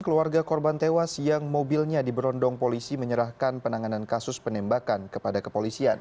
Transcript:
keluarga korban tewas yang mobilnya diberondong polisi menyerahkan penanganan kasus penembakan kepada kepolisian